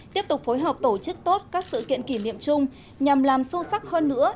tiếp tục phối hợp tổ chức tốt các sự kiện kỷ niệm chung nhằm làm sâu sắc hơn nữa